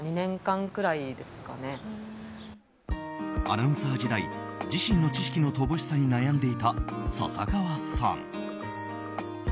アナウンサー時代自身の知識の乏しさに悩んでいた笹川さん。